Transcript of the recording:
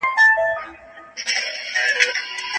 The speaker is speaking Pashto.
هوکې جګړه تل له وینې سره مل وي.